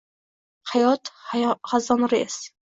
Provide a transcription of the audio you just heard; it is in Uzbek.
Hayot xazonrez